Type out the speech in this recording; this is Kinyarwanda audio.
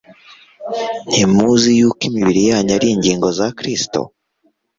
ntimuzi yuko imibiri yanyu ari ingingo za kristo